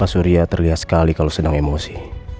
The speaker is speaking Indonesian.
mas surya tergaz sekali kalau sedang emosi